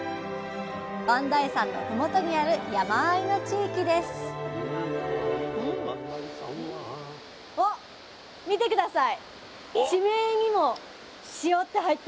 磐梯山のふもとにある山あいの地域ですおっ見て下さい。